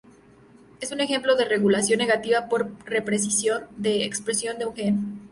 Es un ejemplo de regulación negativa por represión de expresión de un gen.